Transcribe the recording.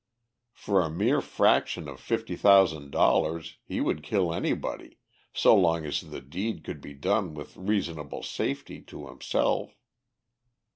For a mere fraction of fifty thousand dollars he would kill anybody, so long as the deed could be done with reasonable safety to himself.